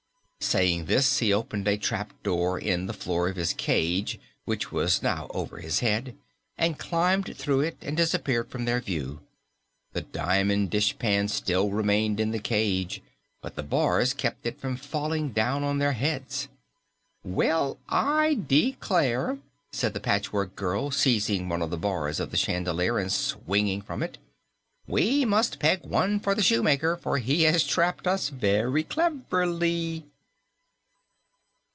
Saying this, he opened a trap door in the floor of his cage (which was now over his head) and climbed through it and disappeared from their view. The diamond dishpan still remained in the cage, but the bars kept it from falling down on their heads. "Well, I declare," said the Patchwork Girl, seizing one of the bars of the chandelier and swinging from it, "we must peg one for the Shoemaker, for he has trapped us very cleverly."